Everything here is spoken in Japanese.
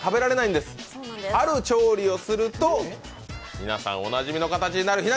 ある調理をすると皆さんおなじみの形になる。